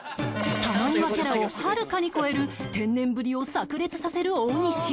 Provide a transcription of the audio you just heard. たまにわキャラをはるかに超える天然ぶりを炸裂させる大西